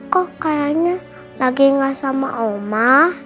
kok kayaknya lagi gak sama oma